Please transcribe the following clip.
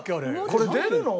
これ出るの？